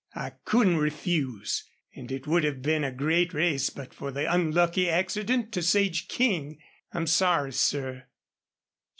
I couldn't refuse.... An' it would have been a great race but for the unlucky accident to Sage King. I'm sorry, sir."